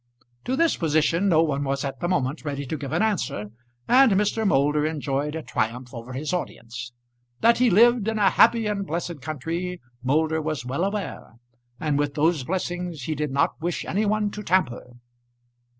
To this position no one was at the moment ready to give an answer, and Mr. Moulder enjoyed a triumph over his audience. That he lived in a happy and blessed country Moulder was well aware, and with those blessings he did not wish any one to tamper.